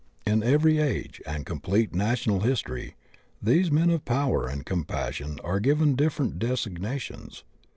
"* In every age and complete national history these men of power and compassion are given different des ignations.